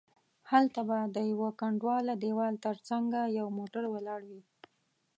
هلته به د یوه کنډواله دیوال تر څنګه یو موټر ولاړ وي.